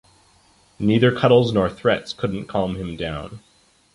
Neither cuddles, nor threats couldn’t calm him down.